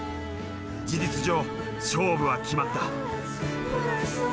事実上勝負は決まった。